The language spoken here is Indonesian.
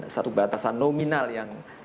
satu batasan nominal yang